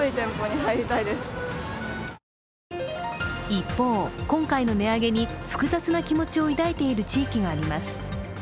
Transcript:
一方、今回の値上げに複雑な気持ちを抱いている地域があります。